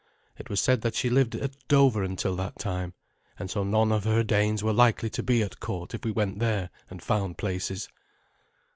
It was said that she lived at Dover until that time, and so none of her Danes were likely to be at court if we went there and found places.